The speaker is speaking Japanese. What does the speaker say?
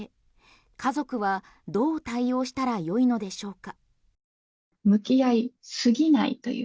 家族はどう対応したらよいのでしょうか？